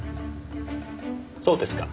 そうですか。